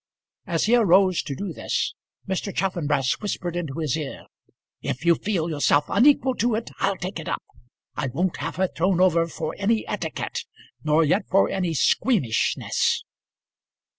As he arose to do this, Mr. Chaffanbrass whispered into his ear, "If you feel yourself unequal to it I'll take it up. I won't have her thrown over for any etiquette, nor yet for any squeamishness."